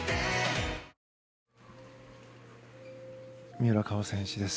三浦佳生選手です。